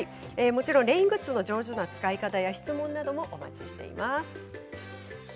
もちろんレイングッズの上手な使い方や質問などもお待ちしています。